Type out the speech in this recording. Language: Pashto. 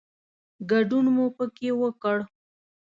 ګډون مو پکې وکړ.